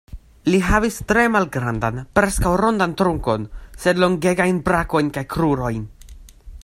Li havis tre malgrandan, preskaŭ rondan trunkon, sed longegajn brakojn kaj krurojn.